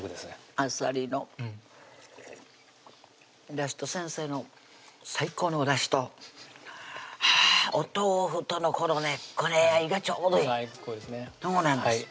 あさりのだしと先生の最高のおだしとはぁお豆腐とのこの兼ね合いがちょうどいい最高ですね